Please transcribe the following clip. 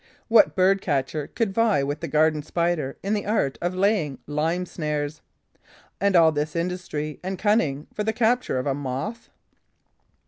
What bird catcher could vie with the Garden Spider in the art of laying lime snares? And all this industry and cunning for the capture of a Moth!